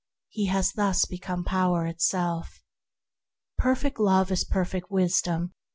He has thus become Power itself. Perfect Love is perfect Wisdom.